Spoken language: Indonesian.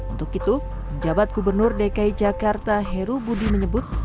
untuk itu penjabat gubernur dki jakarta heru budi menyebut